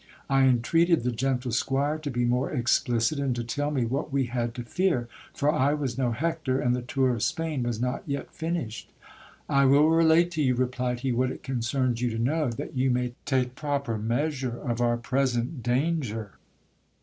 I entreated the gentle squire to be more explicit, and to tell me what we had to fear ; for I was no Hector, and the tour of Spain was not yet finished. I will relate to you, replied he, what it concerns you to know, that you may take proper measure of our present danger.